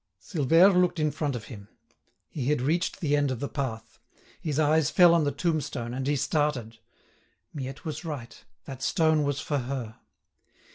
Silvère looked in front of him. He had reached the end of the path. His eyes fell on the tombstone, and he started. Miette was right, that stone was for her.